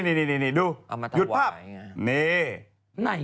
นี่นี่ดูหยุดภาพเอามาตรวายไงนี่